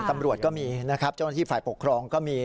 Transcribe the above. ตำรวจก็มีนะครับเจ้าหน้าที่ฝ่ายปกครองก็มี